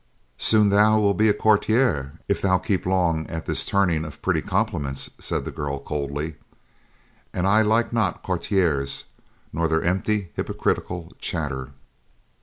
"Soon thou wilt be a courtier, if thou keep long at this turning of pretty compliments," said the girl coldly; "and I like not courtiers, nor their empty, hypocritical chatter."